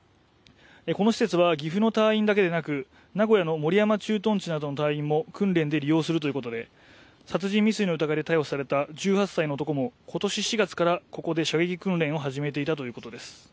この施設は岐阜の隊員だけでなく、名古屋の守山駐屯地などの隊員も訓練で利用するということで、殺人未遂の疑いで逮捕された１８歳の男も今年４月からここで射撃訓練を始めていたということです